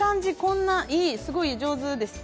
すごく上手ですね。